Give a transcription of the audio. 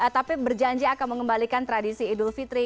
tapi berjanji akan mengembalikan tradisi idul fitri